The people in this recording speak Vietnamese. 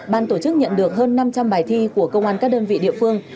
ban tổ chức nhận được hơn năm trăm linh bài thi của công an các đơn vị địa phương